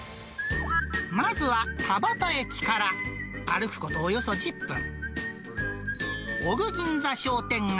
まずは、田端駅から歩くことおよそ１０分、おぐぎんざ商店街。